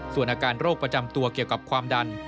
ส่วนอาการโรคประจำตัวเกี่ยวกับความดัน